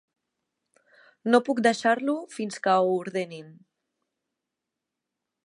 No puc deixar-lo fins que ho ordenin.